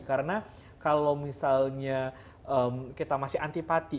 karena kalau misalnya kita masih antipati